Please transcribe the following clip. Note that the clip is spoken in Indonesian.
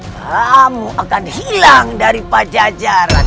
kamu akan hilang dari pajajaran